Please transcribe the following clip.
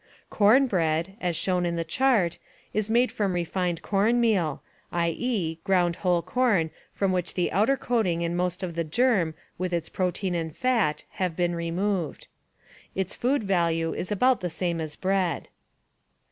Corn bread, as shown in the chart, is made from refined cornmeal, i. e., ground whole corn from which the outer coating and most of the germ with its protein and fat have been removed. Its food value is about the same as bread.